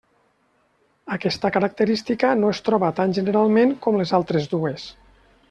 Aquesta característica no es troba tan generalment com les altres dues.